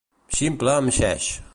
Ximple amb xeix.